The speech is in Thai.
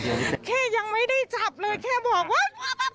แค่ยังไม่ได้จับเลยแค่บอกว่า